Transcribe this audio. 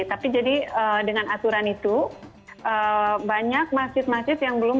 tapi jadi dengan aturan itu banyak masjid masjid yang belum